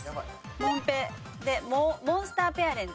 モンペでモンスターペアレンツ。